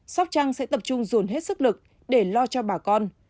sóc trăng sẽ tập trung dồn hết sức lực để lo cho bà con